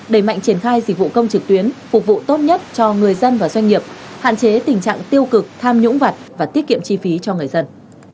đẩy mạnh triển khai dịch vụ công trực tuyến phục vụ tốt nhất cho người dân và doanh nghiệp hạn chế tình trạng tiêu cực tham nhũng vật và tiết kiệm chi phí cho người dân